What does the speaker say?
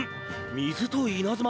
水と稲妻？